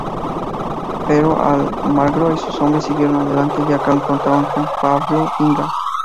Pero Almagro y sus hombres siguieron adelante, ya que aún contaban con Pablo Inga.